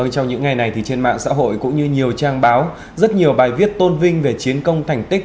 trong những ngày này trên mạng xã hội cũng như nhiều trang báo rất nhiều bài viết tôn vinh về chiến công thành tích